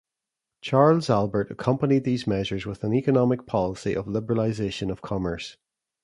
Charles Albert accompanied these measures with an economic policy of liberalisation of commerce.